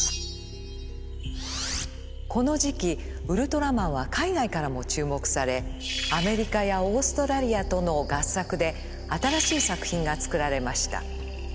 この時期ウルトラマンは海外からも注目されアメリカやオーストラリアとの合作で新しい作品が作られました。